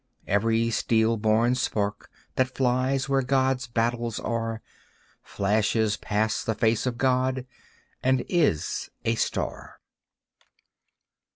Every steel born spark that flies where God's battles are, Flashes past the face of God, and is a star.